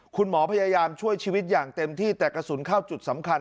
คุณหมอพยายามช่วยชีวิตอย่างเต็มที่แต่กระสุนเข้าจุดสำคัญ